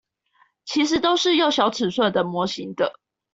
其實都是用小尺寸的模型的